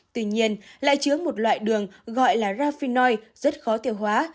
tuy nhiên lại chứa một loại đường gọi là rafinoi rất khó tiêu hóa